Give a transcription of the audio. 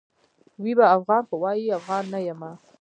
وي به افغان؛ خو وايي افغان نه یمه